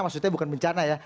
maksudnya bukan bencana ya